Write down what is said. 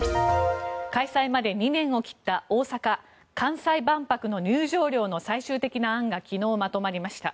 開催まで２年を切った大阪・関西万博の入場料の最終的な案が昨日まとまりました。